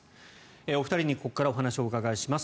お二人にここからお話をお伺いします。